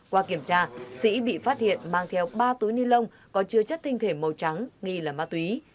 qua kiểm tra sĩ bị phát hiện mang theo ba túi ni lông có chứa chất tinh thể màu trắng nghi là ma túy